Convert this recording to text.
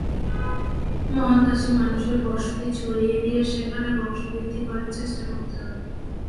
মহাকাশে মানুষের বসতি ছড়িয়ে দিয়ে সেখানে বংশবৃদ্ধি করার চেষ্টা করতে হবে।